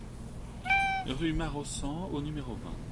Rue Maraussan au numéro vingt